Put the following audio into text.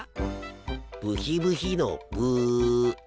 ブヒブヒのブ。